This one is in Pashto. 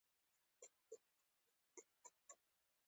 د ملا انډیوالي تر شکرانې وي